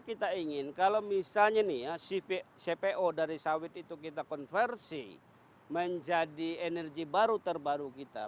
kita ingin kalau misalnya nih ya cpo dari sawit itu kita konversi menjadi energi baru terbaru kita